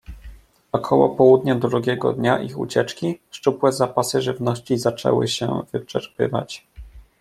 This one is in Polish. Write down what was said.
"Około południa drugiego dnia ich ucieczki, szczupłe zapasy żywności zaczęły się wyczerpywać."